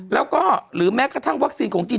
แล้วก็หรือแม้กระทั่งวัคซีนของจีน